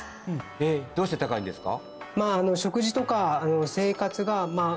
えっどうして高いんですか？